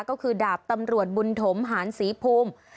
ก็คือดาบตำรวจบุญถมหานศรีภูมิ